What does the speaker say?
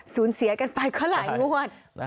เสียกันไปก็หลายงวด